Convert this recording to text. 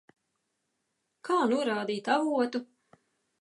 Kā norādīt avotu?